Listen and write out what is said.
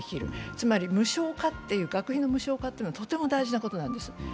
つまり、学費の無償化というのはとても大事なことなんです。